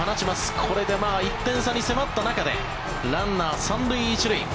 これで１点差に迫った中でランナー、３塁１塁。